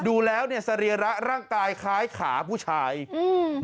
ดูแล้วเนี้ยสรีระร่างกายคล้ายขาผู้ชายอืม